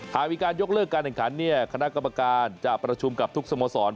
หากมีการยกเลิกการแข่งขันคณะกรรมการจะประชุมกับทุกสโมสร